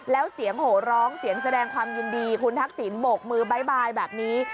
แล้วเสียงโหร้องเสียงแสดงความยินดีคุณทักษิณโบกมือบ๊ายบายแบบนี้